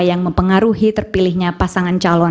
yang mempengaruhi terpilihnya pasangan calon